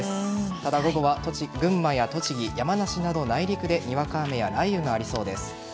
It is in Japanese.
ただ、午後は群馬や栃木、山梨など内陸でにわか雨や雷雨がありそうです。